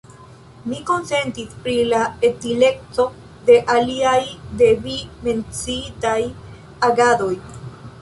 Mi konsentas pri la utileco de la aliaj de vi menciitaj agadoj.